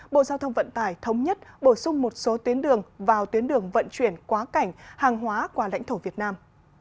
bộ giao thông vận tải thống nhất bổ sung một số tuyến đường vào tuyến đường vận chuyển quá cảnh hàng hóa qua lãnh thổ việt nam